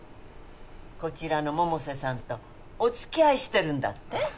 こちらの百瀬さんとおつきあいしてるんだって？